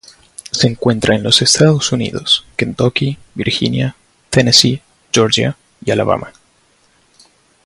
Se encuentra en los Estados Unidos: Kentucky, Virginia, Tennessee, Georgia y Alabama.